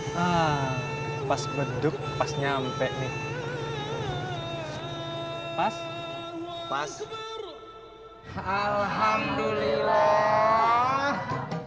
hai ah pas beduk pas nyampe nih pas pas alhamdulillah